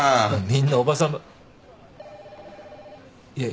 みんなおばさんばっ。